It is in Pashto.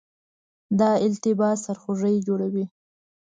دا التباس سرخوږی جوړوي.